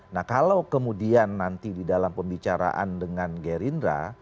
nah kalau kemudian nanti di dalam pembicaraan dengan gerindra